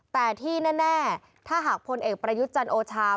แต่ที่แน่ถ้าหากพลเอกประยุทธ์จันโอชา